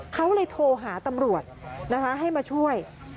เขาเลยโทรหาตำรวจนะคะให้มาช่วย